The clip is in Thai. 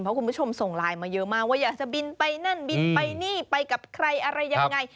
เพราะคุณผู้ชมส่งไลน์มาเยอะมากว่าอยากจะบินไปนั่นบินไปนี่ไปกับใครอะไรยังไง